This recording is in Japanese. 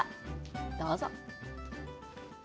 どうぞ。